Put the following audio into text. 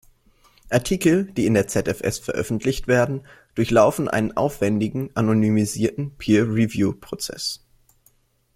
Artikel, die in der ZfS veröffentlicht werden, durchlaufen einen aufwändigen anonymisierten Peer-Review-Prozess.